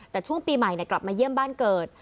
แต่ช่วงปีใหม่กลับมาเยี่ยมบ้านเกิด